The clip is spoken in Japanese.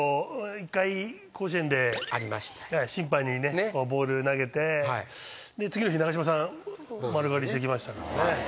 一回甲子園で審判にボール投げて次の日長嶋さん丸刈りにしてきましたからね。